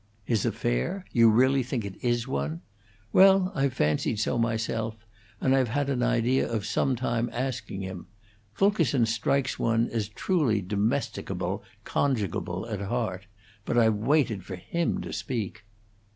"His affair? You really think it is one? Well, I've fancied so myself, and I've had an idea of some time asking him; Fulkerson strikes one as truly domesticable, conjugable at heart; but I've waited for him to speak."